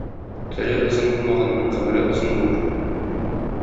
Теле озын булмаганның гомере озын булыр.